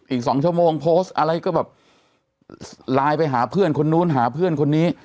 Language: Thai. อีก๒ชั่วโมงโพสต์อะไรก็แบบไลน์ไปหาเพื่อนคนนู้นหาเพื่อนคนนี้